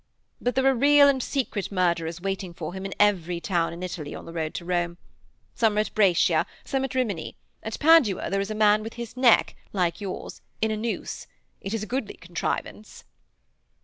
But there are real and secret murderers waiting for him in every town in Italy on the road to Rome. Some are at Brescia, some at Rimini: at Padua there is a man with his neck, like yours, in a noose. It is a goodly contrivance.'